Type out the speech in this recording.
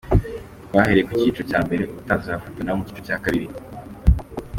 Twahereye ku cyiciro cya mbere, ubutaha tuzafata nabo mu cyiciro cya kabiri.